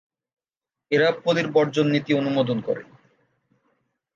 এরা পলির বর্জন নীতি অনুমোদন করে।